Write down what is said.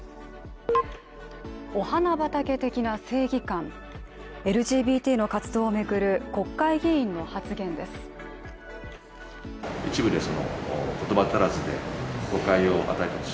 お花畑的な正義感、ＬＧＢＴの活動を巡る国会議員の発言です。